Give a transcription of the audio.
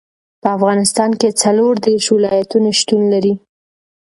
په افغانستان کې څلور دېرش ولایتونه شتون لري.